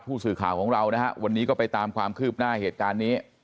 ผู้สื่อข่าวของเรานะฮะวันนี้ก็ไปตามความคืบหน้าเหตุการณ์นี้